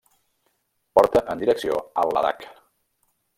Porta en direcció al Ladakh.